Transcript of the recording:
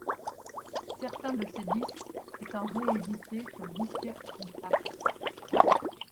Certains de ces disques étant réédités sur disque compact.